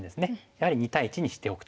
やはり２対１にしておくと。